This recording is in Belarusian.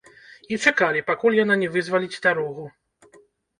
І чакалі, пакуль яна не вызваліць дарогу.